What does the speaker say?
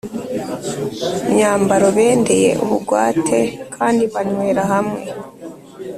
Myambaro bendeye ubugwate kandi banywera hamwe